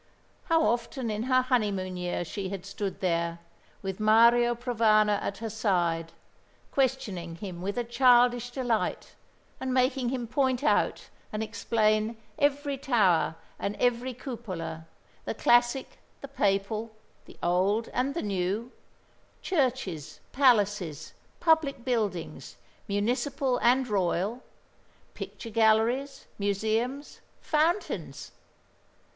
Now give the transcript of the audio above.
How often in her honeymoon year she had stood there, with Mario Provana at her side, questioning him with a childish delight, and making him point out and explain every tower and every cupola, the classic, the papal, the old and the new; churches, palaces, public buildings, municipal and royal, picture galleries, museums, fountains!